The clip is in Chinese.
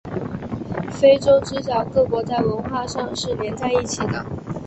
非洲之角各国在文化上是连在一起的。